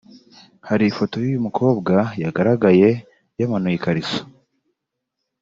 Hari ifoto y’uyu mukobwa yagaragaye yamanuye ikariso